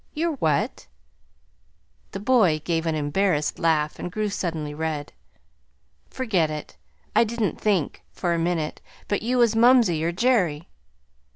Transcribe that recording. "Your WHAT?" The boy gave an embarrassed laugh and grew suddenly red. "Forget it! I didn't think, for a minute, but you was mumsey or Jerry."